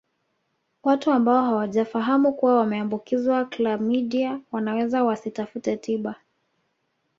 Watu ambao hawajafahamu kuwa wameambukizwa klamidia wanaweza wasitafute tiba